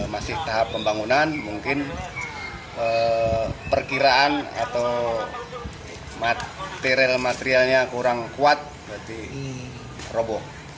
masih tahap pembangunan mungkin perkiraan atau material materialnya kurang kuat berarti robo